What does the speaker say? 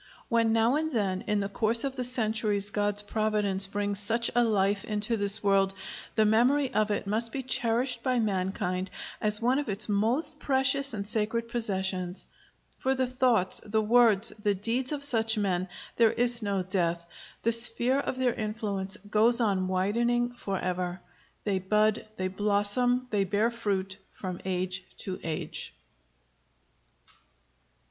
When now and then in the course of the centuries God's providence brings such a life into this world, the memory of it must be cherished by mankind as one of its most precious and sacred possessions. For the thoughts, the words, the deeds of such men there is no death; the sphere of their influence goes on widening forever. They bud, they blossom, they bear fruit, from age to age."